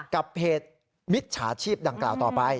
กับเพจมิจฉาชีพดังกล่าวต่อไป